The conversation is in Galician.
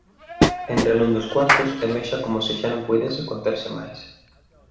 Entra nun dos cuartos e mexa como se xa non puidese conterse máis.